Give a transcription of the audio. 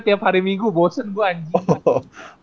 tiap hari minggu bosen gue anjir